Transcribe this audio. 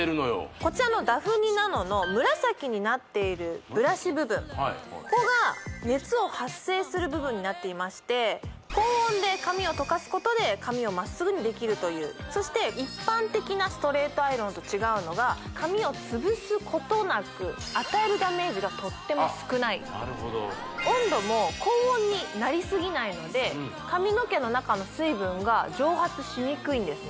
こちらのダフニｎａｎｏの紫になっているブラシ部分ここが熱を発生する部分になっていまして高温で髪をとかすことで髪をまっすぐにできるというそして一般的なストレートアイロンと違うのが髪を潰すことなく与えるダメージがとっても少ない温度も高温になりすぎないので髪の毛の中の水分が蒸発しにくいんですね